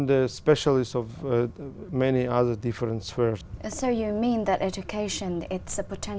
đặc biệt là các trường hợp khác của azarbaizhan